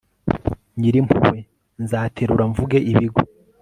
nyir'impuhwe), nzaterura mvuge ibigwi